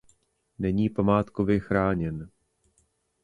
Není památkově chráněn.